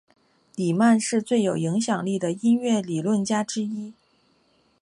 里曼是最有影响力的音乐理论家之一。